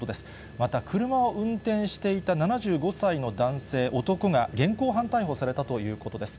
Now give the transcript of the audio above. また車を運転していた７５歳の男性、男が現行犯逮捕されたということです。